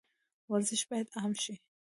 ورزش باید عام شي